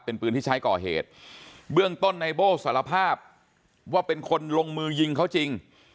เป็นปืนที่ใช้ก่อเหตุเบื้องต้นในโบ้สารภาพว่าเป็นคนลงมือยิงเขาจริง